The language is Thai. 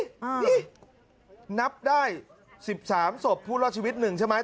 นี่นับได้๑๓ศพผู้รอดชีวิตหนึ่งใช่ไหม